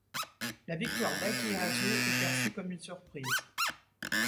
La victoire d'Heikki Hasu est perçue comme une surprise.